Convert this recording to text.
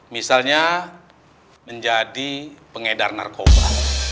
misalnya menjadi pengedar narkoba